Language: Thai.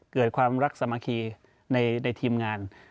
เกิดความรักสามัคคีในทีมงาน